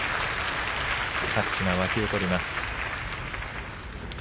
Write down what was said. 拍手が沸き起こります。